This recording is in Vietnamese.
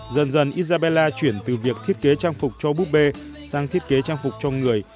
dần dần izabella chuyển từ việc thiết kế trang phục cho búp bê sang thiết kế trang phục cho người